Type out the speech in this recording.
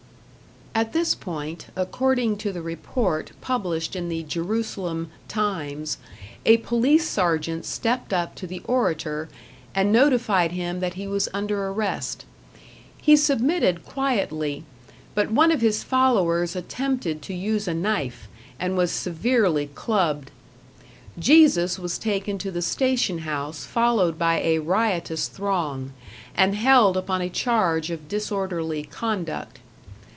At this point, according to the report published in the Jerusalem "Times", a police sergeant stepped up to the orator and notified him that he was under arrest; he submitted quietly, but one of his followers attempted to use a knife, and was severely clubbed. Jesus was taken to the station house followed by a riotous throng, and held upon a charge of disorderly conduct.